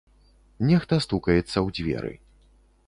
Нехта стукаецца ў дзверы.